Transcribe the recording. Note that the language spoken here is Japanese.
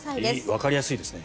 わかりやすいですね